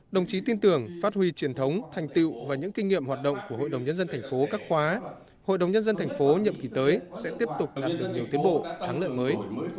đồng chí tin tưởng phát huy truyền thống thành tiệu và những kinh nghiệm hoạt động của hội đồng nhân dân thành phố các khóa hội đồng nhân dân thành phố nhiệm kỳ tới sẽ tiếp tục đạt được nhiều tiến bộ thắng lợi mới